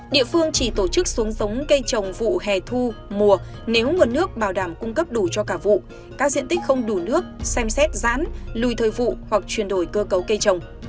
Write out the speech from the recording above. địa phương chỉ tổ chức xuống giống cây trồng vụ hè thu mùa nếu nguồn nước bảo đảm cung cấp đủ cho cả vụ các diện tích không đủ nước xem xét giãn lùi thời vụ hoặc chuyển đổi cơ cấu cây trồng